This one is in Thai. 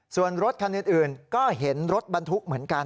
ส่วนรถคันอื่นก็เห็นรถบรรทุกเหมือนกัน